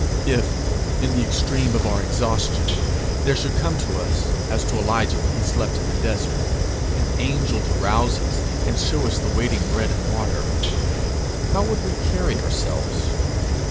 If, in the extreme of our exhaustion, there should come to us, as to Elijah when he slept in the desert, an angel to rouse us, and show us the waiting bread and water, how would we carry ourselves?